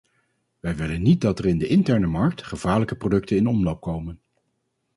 We willen niet dat er in de interne markt gevaarlijke producten in omloop komen.